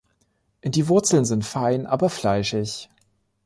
Die Wurzeln sind fein, aber fleischig.